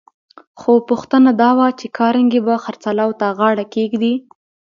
خو پوښتنه دا وه چې کارنګي به خرڅلاو ته غاړه کېږدي؟